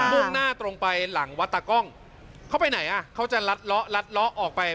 มุ่งหน้าตรงไปหลังวัดตากล้องเขาไปไหนอ่ะเขาจะลัดเลาะลัดเลาะออกไป